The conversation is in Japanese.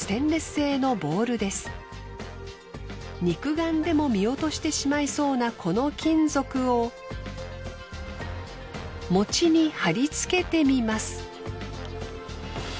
肉眼でも見落としてしまいそうなこの金属を餅に貼りつけてみます。